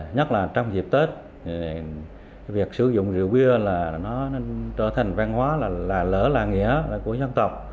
nhất là trong dịp tết việc sử dụng rượu bia là nó trở thành văn hóa là lỡ là nghĩa của dân tộc